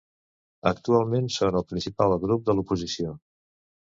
Actualment són el principal grup de l'oposició.